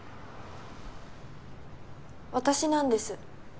私なんです。